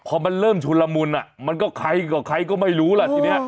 พอมันเริ่มชุนละมุนมันก็ใครกับใครก็ไม่รู้ล่ะทีนี้